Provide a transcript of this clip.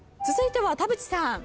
続いては田渕さん。